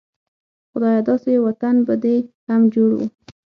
خدايه داسې يو وطن به دې هم جوړ و